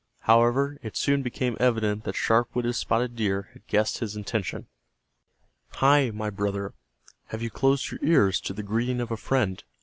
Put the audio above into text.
However, it soon became evident that sharp witted Spotted Deer had guessed his intention. "Hi, my brother, have you closed your ears to the greeting of a friend?"